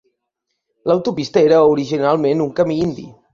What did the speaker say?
L'autopista era originalment un camí indi.